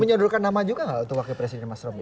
menyodorkan nama juga nggak untuk wakil presiden mas romy